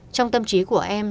trong tâm trí của em